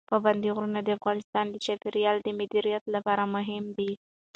پابندی غرونه د افغانستان د چاپیریال د مدیریت لپاره مهم دي.